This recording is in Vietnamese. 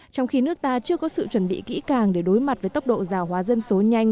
trong khi nước ta chưa có sự chuẩn bị kỹ càng để đối mặt với tốc độ giả hóa dân số nhanh